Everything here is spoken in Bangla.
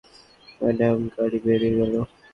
ম্যাডাম, গাড়ি বেরিয়ে গেলো।